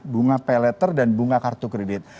bunga pay letter dan bunga kartu kredit